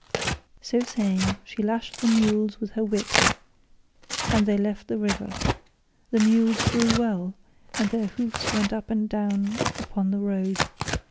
So saying she lashed the mules with her whip and they left the river. The mules drew well, and their hoofs went up and down upon the road.